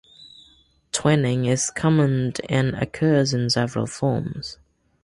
Twinning is common and occurs in several forms.